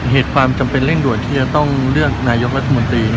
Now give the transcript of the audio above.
เหตุความจำเป็นเล่นหุดที่จะต้องเรียกนายรัฐมนตรี